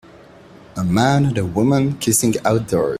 A man and a woman kissing outdoors.